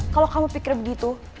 kalau kamu pikir begitu